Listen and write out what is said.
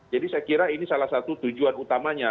jadi saya kira ini salah satu tujuan utamanya